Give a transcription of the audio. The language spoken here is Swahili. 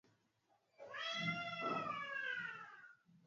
tangu mwaka elfumoja miatisa themanini na sita